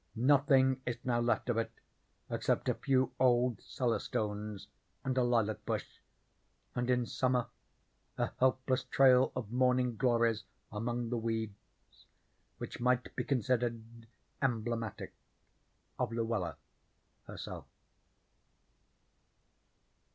Nothing is now left of it except a few old cellar stones and a lilac bush, and in summer a helpless trail of morning glories among the weeds, which might be considered emblematic of Luella herself.